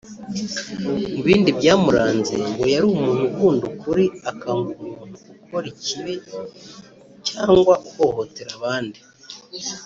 Mu bindi byamuranze ngo yari umuntu ukunda ukuri akanga umuntu ukora ikibi cyangwa uhohotera abandi